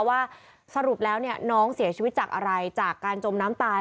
ว่าสรุปแล้วน้องเสียชีวิตจากอะไรจากการจมน้ำตาย